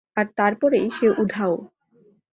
আর তারপরেই সে উধাও।